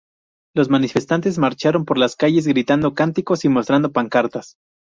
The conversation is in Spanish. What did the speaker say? Los manifestantes marcharon por las calles, gritando cánticos y mostrando pancartas.